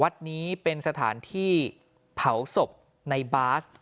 วัดนี้เป็นสถานที่เผาศพในบาส